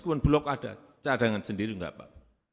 meskipun blok ada cadangan sendiri enggak apa